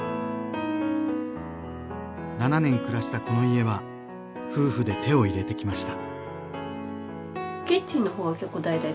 ７年暮らしたこの家は夫婦で手を入れてきました。